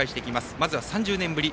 まずは３０年ぶり